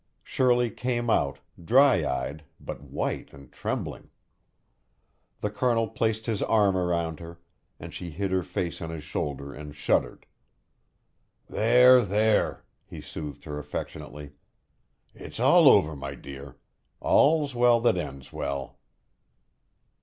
Shirley came out, dry eyed, but white and trembling. The Colonel placed his arm around her, and she hid her face on his shoulder and shuddered. "There, there!" he soothed her affectionately. "It's all over, my dear. All's well that ends well."